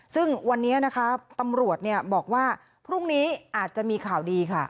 ซึ่งวันนี้นะคะตำรวจบอกว่าพรุ่งนี้อาจจะมีข่าวดีค่ะ